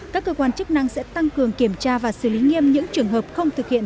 các cơ quan chức năng sẽ tăng cường kiểm tra và xử lý nghiêm những trường hợp không thực hiện